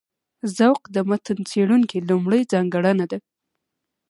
ذوق د متن څېړونکي لومړۍ ځانګړنه ده.